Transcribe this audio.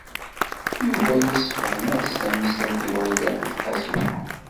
Yuba yessefhem-as tamsalt i Wrida n At Qasi Muḥ.